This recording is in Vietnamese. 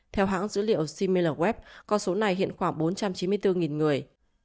theo hãng dữ liệu simelt con số này hiện khoảng bốn trăm chín mươi bốn người